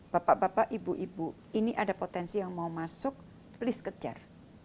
bapak bapak ibu ibu ini ada potensi yang mau masuk please kejar